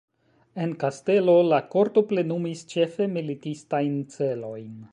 En kastelo, la korto plenumis ĉefe militistajn celojn.